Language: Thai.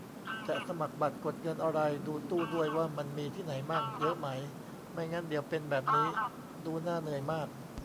จะสมัครบัตรกดเงินอะไร ดูตู้ด้วย ว่ามันมีที่ไหนมั่ง เยอะไหม ไม่งั้นเดี๋ยวเป็นแบบนี้ ดูน่าเหนื่อยมาก